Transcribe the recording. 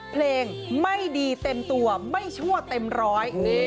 เพลงไม่ดีเต็มตัวไม่ชั่วเต็มร้อย